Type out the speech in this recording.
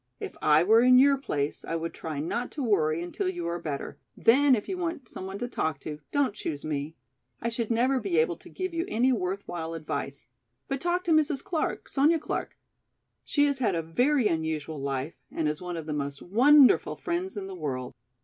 If I were in your place I would try not to worry until you are better, then if you want some one to talk to, don't choose me. I should never be able to give you any worthwhile advice. But talk to Mrs. Clark, Sonya Clark. She has had a very unusual life and is one of the most wonderful friends in the world!"